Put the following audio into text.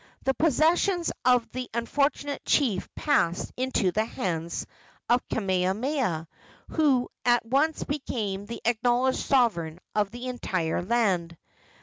The possessions of the unfortunate chief passed into the hands of Kamehameha, who at once became the acknowledged sovereign of the entire island.